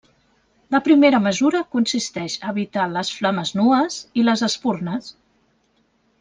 La primera mesura consisteix a evitar les flames nues i les espurnes.